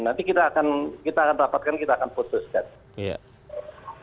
nanti kita akan rapatkan kita akan putuskan